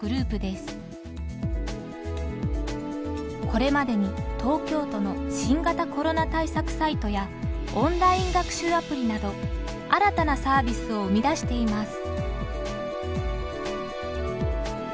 これまでに東京都の新型コロナ対策サイトやオンライン学習アプリなど新たなサービスを生み出しています。